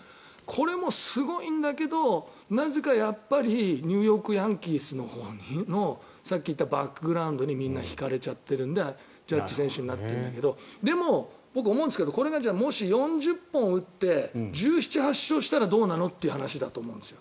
これもすごいんだけどなぜかやっぱりニューヨーク・ヤンキースのほうのさっき言ったバックグラウンドにみんな引かれちゃってるのでジャッジ選手になってるんだけどでも、僕思うんですけどこれがもし４０本打って１７１８勝したらどうなの？という話だと思うんです。